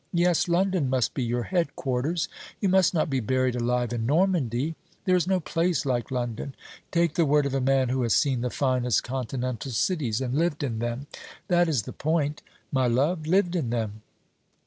Yes, London must be your head quarters. You must not be buried alive in Normandy. There is no place like London. Take the word of a man who has seen the finest Continental cities, and lived in them that is the point, my love lived in them.